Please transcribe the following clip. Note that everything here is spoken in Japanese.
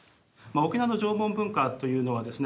沖縄の縄文文化というのはですね